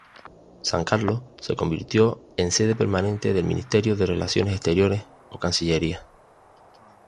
San Carlos se convirtió en sede permanente del Ministerio de Relaciones Exteriores, o Cancillería.